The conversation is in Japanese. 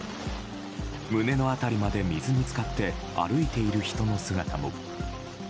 胸の辺りまで水に浸かって歩いている人の姿も。